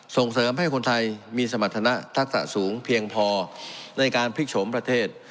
ส่งเสริมให้คนไทยมีสมรรถนะทักษะสูงเพียงพอในการพลิกโฉมประเทศ